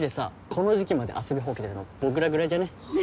この時期まで遊びほうけてるの僕らぐらいじゃね？